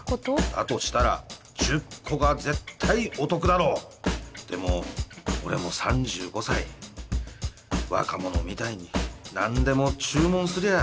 だとしたら１０個が絶対お得だろうでも俺も３５歳若者みたいに何でも注文すりゃ